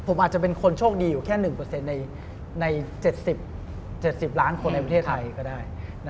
ผมอาจจะเป็นคนโชคดีอยู่แค่๑ใน๗๐๗๐ล้านคนในประเทศไทยก็ได้